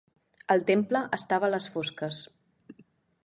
El temple estava a les fosques